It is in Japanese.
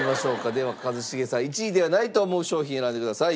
では一茂さん１位ではないと思う商品選んでください。